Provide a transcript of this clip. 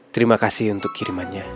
terima kasih untuk kirimannya